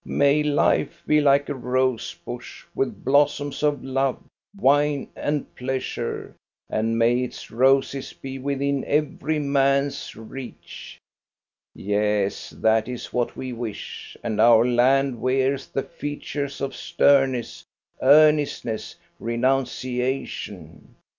May life be like a rose bush, with blossoms of love, wine, and pleasure, and may its roses be within every man's reach! Yes, that is what we wish, and our land wears the features of sternness, earnestness, renunciation.